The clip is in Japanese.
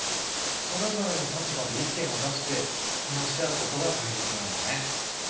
それぞれの立場で意見を出して話し合うことがたいせつなんだね。